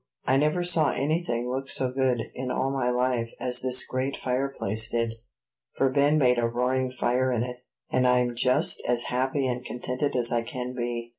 I never saw anything look so good, in all my life, as this great fireplace did, for Ben made a roaring fire in it; and I'm just as happy and contented as I can be."